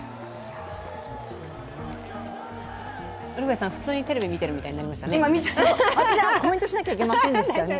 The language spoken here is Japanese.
ウルヴェさん、普通にテレビ見てるみたいになりましたね。